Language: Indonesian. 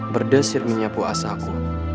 berdesir menyapu asa aku